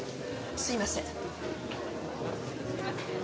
すいません。